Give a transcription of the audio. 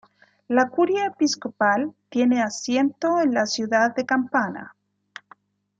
La Curia episcopal tiene asiento en la Ciudad de Campana.